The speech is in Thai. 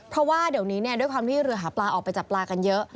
เพราะว่าเดี๋ยวนี้ด้วยความที่เรือหาปลาออกไปจับปลากันเยอะ